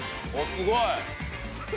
すごい！